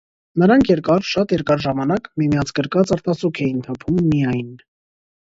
նրանք երկար, շատ երկար ժամանակ միմյանց գրկած արտասուք էին թափում միայն…